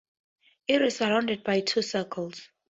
It is surrounded by two circles.